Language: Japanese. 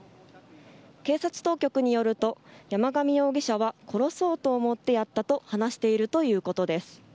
警察当局によると山上容疑者は殺そうと思ってやったと話しているということです。